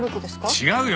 違うよ！